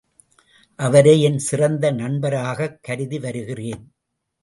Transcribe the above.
அவரை என் சிறந்த நண்பராகக் கருதி வருகிறேன்.